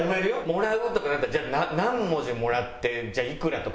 もらうとかなったらじゃあ何文字もらっていくらとか。